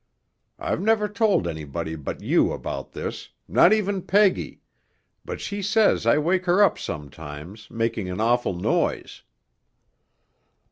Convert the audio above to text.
I've never told anybody but you about this, not even Peggy, but she says I wake her up sometimes, making an awful noise.'